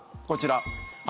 こちら。